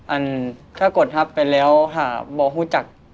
อ่านถ้ากดฮับไปแล้วถ้าบ่พูดจาก